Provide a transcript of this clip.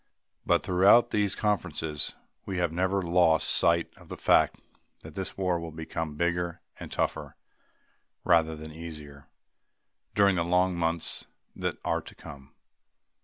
But throughout these conferences we have never lost sight of the fact that this war will become bigger and tougher, rather than easier, during the long months that are to come.